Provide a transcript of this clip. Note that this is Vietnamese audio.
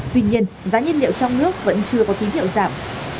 tuy nhiên giá nhiên liệu trong nước vẫn chưa có tín hiệu giảm